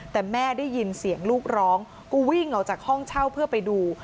แต่แม่ได้ยินเสียงลูกร้องก็วิ่งออกจากห้องเช่าเพื่อไปดู